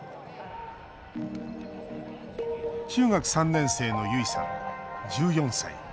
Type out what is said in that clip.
中学３年生のゆいさん、１４歳。